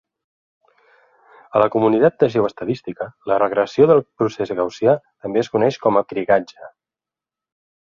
A la comunitat de geoestadística, la regressió del procés gaussià també es coneix com a krigatge.